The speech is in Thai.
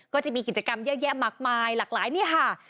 ก็จะมีกิจกรรมเยอะแยะมากมายหลากหลายนี่ค่ะ